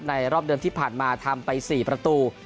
รอบเดิมที่ผ่านมาทำไป๔ประตู